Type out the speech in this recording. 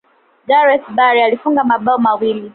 gareth bale alifunga mabao mawili